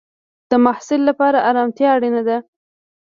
د محصل لپاره ارامتیا اړینه ده.